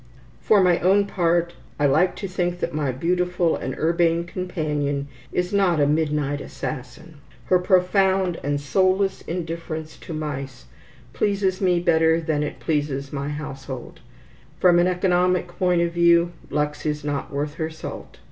For my own part, I like to think that my beautiful and urbane companion is not a midnight assassin. Her profound and soulless indifference to mice pleases me better than it pleases my household. From an economic point of view, Lux is not worth her salt.